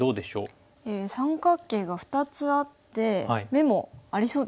三角形が２つあって眼もありそうですね